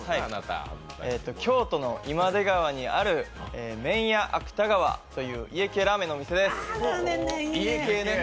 京都の今出川にある麺家あくた川という家系ラーメンのお店です。